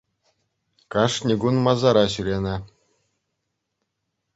Кашни кун масара ҫӳренӗ